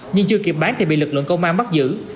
nhưng chưa kịp bán thì bị lực lượng công an bắt giữ